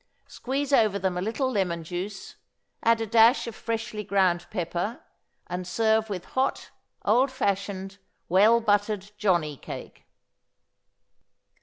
Squeeze over them a little lemon juice, add a dash of freshly ground pepper, and serve with hot, old fashioned, well buttered johnny cake.